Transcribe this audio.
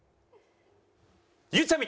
ゆうちゃみ！